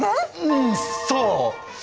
うんそう！